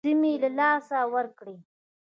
سیمې یې له لاسه ورکړې.